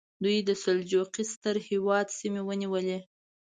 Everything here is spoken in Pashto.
دوی د سلجوقي ستر هېواد سیمې ونیولې.